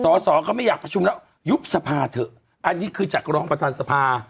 สอสอเขาไม่อยากประชุมแล้วยุบสภาเถอะอันนี้คือจากรองประธานสภา